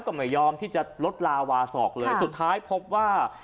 ก็ไม่ยอมที่จะลดลาวาสอกเลยสุดท้ายพบว่า